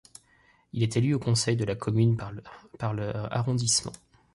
Il est élu au Conseil de la Commune par le arrondissement.